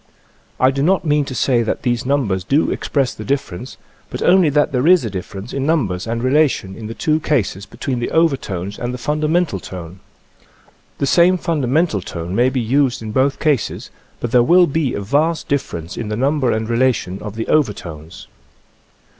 I do not mean to say that these numbers do express the difference, but only that there is a difference in numbers and relations in the two cases between the overtones and the fundamental tone. The same fundamental tone may be used in both cases, but there will be a vast differ ence in the number and relation of the over tones.